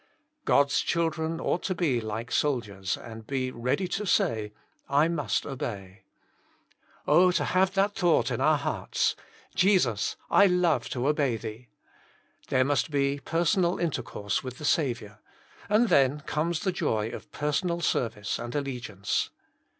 God's children ought to be like soldiers, and be •ReaDij to 0ai3t '' 5 mu0t obei^/' Oh I to have that thought in our hearts —<< Jesus, I love to obey Thee." There must be personal intercourse with the Saviour, and then comes the joy of per sonal service and allegiance.